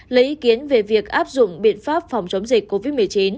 lấy ý kiến về việc áp dụng biện pháp phòng chống dịch covid một mươi chín